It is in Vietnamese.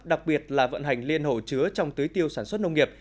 đặc biệt là vận hành liên hồ chứa trong tưới tiêu sản xuất nông nghiệp